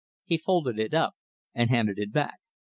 He folded it up and handed it back.